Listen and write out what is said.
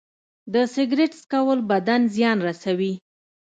د سګرټ څکول بدن زیان رسوي.